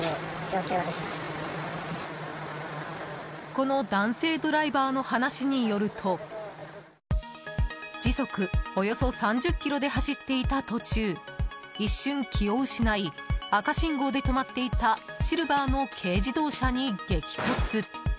この男性ドライバーの話によると時速およそ３０キロで走っていた途中一瞬、気を失い赤信号で止まっていたシルバーの軽自動車に激突。